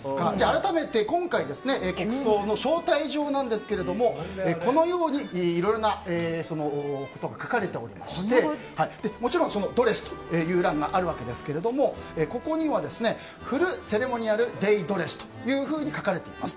改めて今回の国葬の招待状ですがこのように、いろいろなことが書かれていましてもちろんドレスという欄があるわけですけどもここにはフルセレモニアル・デイドレスというふうに書かれています。